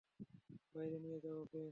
বাইরে নিয়ে যাও ওকে।